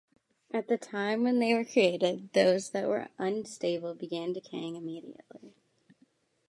At the time when they were created, those that were unstable began decaying immediately.